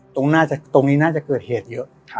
ตรงหน้าจะตรงนี้น่าจะเกิดเหตุเยอะครับ